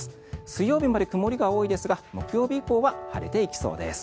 水曜日まで曇りが多いですが木曜日以降は晴れていきそうです。